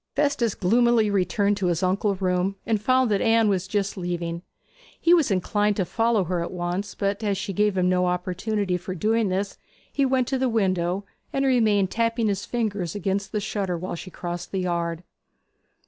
Festus gloomily returned to his uncle's room and found that Anne was just leaving. He was inclined to follow her at once, but as she gave him no opportunity for doing this he went to the window, and remained tapping his fingers against the shutter while she crossed the yard.